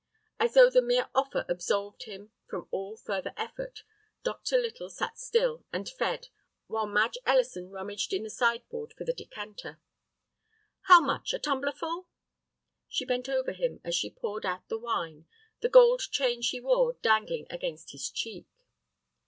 As though the mere offer absolved him from all further effort, Dr. Little sat still and fed while Madge Ellison rummaged in the sideboard for the decanter. "How much, a tumblerful?" She bent over him as she poured out the wine, the gold chain she wore dangling against his cheek.